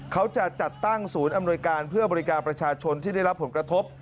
เขาจะจัดตั้งศูนย์อำนวยการเพื่อบริการประชาชนที่ได้รับผลกระทบ